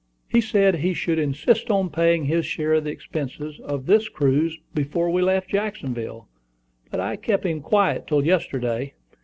"He said he should insist on paying his share of the expenses of this cruise before we left Jacksonville; but I kept him quiet till yesterday.